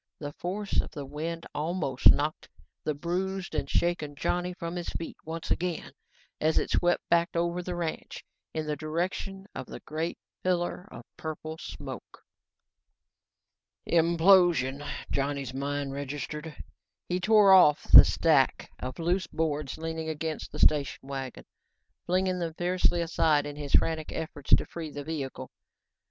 The force of the wind almost knocked the bruised and shaken Johnny from his feet once again as it swept back over the ranch, in the direction of the great pillar of purple smoke. "Implosion," Johnny's mind registered. He tore at the stack of loose boards leaning against the station wagon, flinging them fiercely aside in his frantic efforts to free the vehicle.